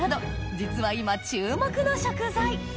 実は今注目の食材